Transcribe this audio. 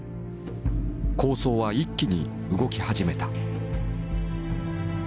構想は一気に動き始めた。